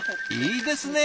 いいですね